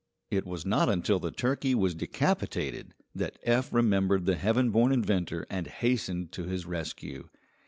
It was not until the turkey was decapitated that Eph remembered the heaven born inventor and hastened to his rescue.